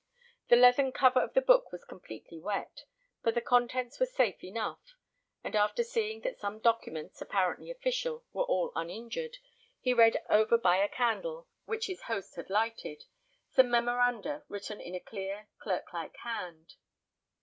The leathern cover of the book was completely wet, but the contents were safe enough; and after seeing that some documents, apparently official, were all uninjured, he read over by a candle, which his host had lighted, some memoranda written in a clear clerk like hand.